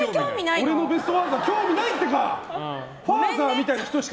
俺のベスト・ファーザー興味ないってか？